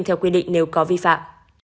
theo quy định nếu có vi phạm